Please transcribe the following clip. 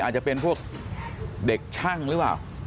อาจจะเป็นพวกเด็กช่างหรือเปล่า